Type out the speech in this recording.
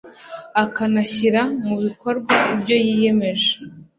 akanashyira mu bikorwa ibyo yiyemeje